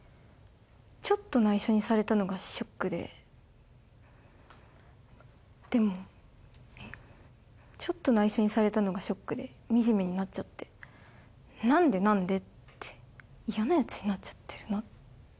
ちょっとナイショにされたのがショックででもえっちょっとナイショにされたのがショックでみじめになっちゃって何で何でってやなやつになっちゃってるなって